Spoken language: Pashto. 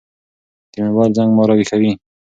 د موبايل زنګ ما راويښوي.